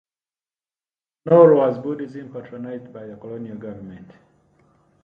Nor was Buddhism patronised by the colonial government.